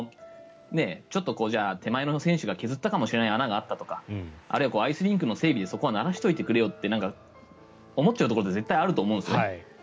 ちょっと手前の選手が削ったかもしれない穴があったとかあるいはアイスリンクの整備でそこはならしておいてくれよって思っているところって絶対にあると思うんですよね。